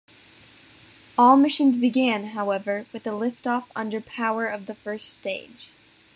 All missions began, however, with liftoff under power of the first stage.